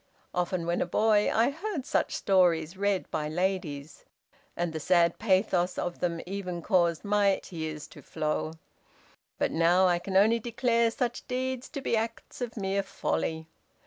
Often when a boy I heard such stories read by ladies, and the sad pathos of them even caused my tears to flow; but now I can only declare such deeds to be acts of mere folly.